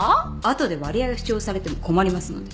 後で割合を主張されても困りますので。